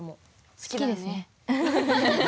好きですね。